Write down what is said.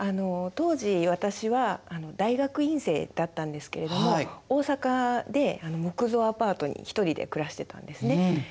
当時私は大学院生だったんですけれども大阪で木造アパートに１人で暮らしてたんですね。